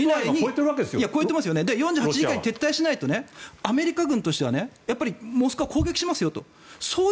撤退しないとアメリカ軍としてはモスクワを攻撃しますよと。